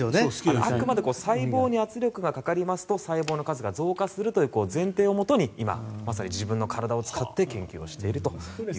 あくまで細胞に圧力がかかりますと細胞の数が増加するという前提をもとに今まさに自分の体を使って研究をしているという。